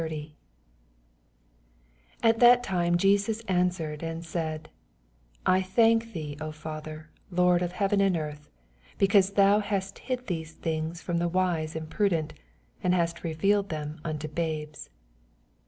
36 At that time Jesus answered •nd laifL I thank thee, O Father, Lord of neaven and earth, because thou hast hid these things from the wise and prudent, and hast revealed tfaem unto babes.